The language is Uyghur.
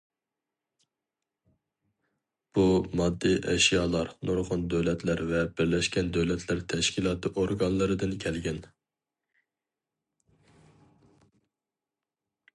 بۇ ماددىي ئەشيالار نۇرغۇن دۆلەتلەر ۋە بىرلەشكەن دۆلەتلەر تەشكىلاتى ئورگانلىرىدىن كەلگەن.